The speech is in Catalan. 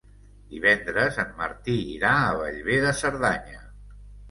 Divendres en Martí irà a Bellver de Cerdanya.